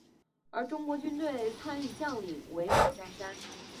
而中国军队参与将领为马占山。